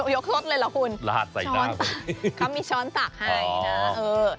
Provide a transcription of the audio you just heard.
ยกซดเลยเหรอคุณราดใส่ตาหมยครับมีช้อนตักให้นะเออ